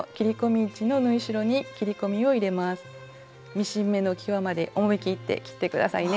ミシン目のきわまで思いきって切って下さいね。